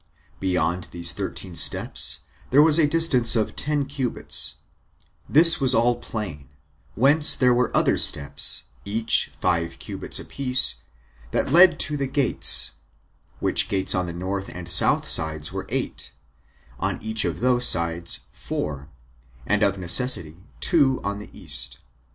Beyond these thirteen steps there was the distance of ten cubits; this was all plain; whence there were other steps, each of five cubits a piece, that led to the gates, which gates on the north and south sides were eight, on each of those sides four, and of necessity two on the east.